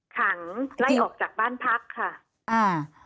ขังไล่ออกจากบ้านพักค่ะอ่า